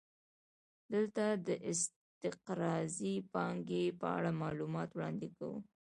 دلته د استقراضي پانګې په اړه معلومات وړاندې کوو